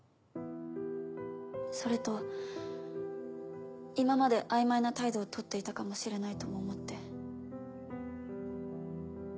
それと今まで曖昧な態度を取っていたかもしれないとも思って。